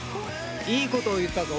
いいことを言ったぞ。